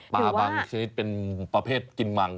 บางชนิดเป็นประเภทกินมัง